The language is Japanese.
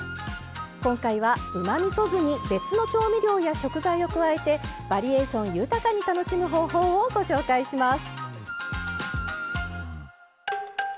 今回はうまみそ酢に別の調味料や食材を加えてバリエーション豊かに楽しむ方法をご紹介します。